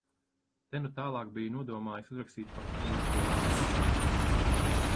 Te nu tālāk biju nodomājis uzrakstīt kaut ko no šī laika sadzīves.